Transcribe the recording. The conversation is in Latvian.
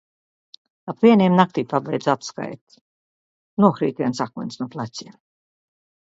Ap vieniem naktī pabeidzu atskaiti. Nokrīt viens akmens no pleciem.